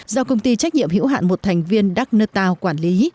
do công ty trách nhiệm hữu hạn một thành viên đắc nơ tàu quản lý